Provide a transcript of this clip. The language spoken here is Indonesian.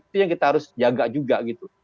itu yang kita harus jaga juga gitu